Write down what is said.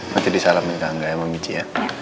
nanti disalamin sama muka emang michi ya